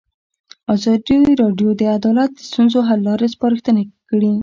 ازادي راډیو د عدالت د ستونزو حل لارې سپارښتنې کړي.